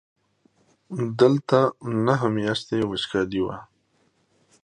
دلته نهه میاشتې وچکالي وه.